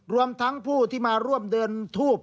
รวมทั้งผู้ที่มาร่วมเดินทูบ